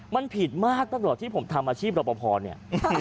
มันผิดมากตลอดที่ผมทำอาชีพรอปภเนี่ย